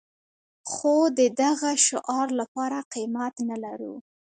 خو د دغه شعار لپاره قيمت نه لرو.